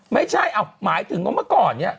ไม่ใช่หมายถึงว่าเมื่อก่อนเนี่ย